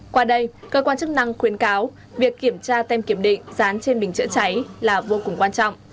qua đây cơ quan chức năng khuyến cáo việc kiểm tra tem kiểm định dán trên bình chữa cháy là vô cùng quan trọng